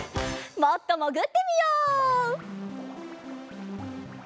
もっともぐってみよう！